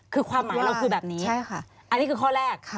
คือความหมายเราคือแบบนี้อันนี้คือข้อแรก